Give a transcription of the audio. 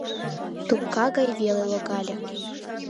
Тупка гай веле логале.